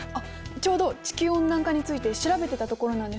ちょうど地球温暖化について調べてたところなんです。